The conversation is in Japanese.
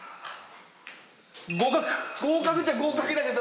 合格っちゃ合格だけど。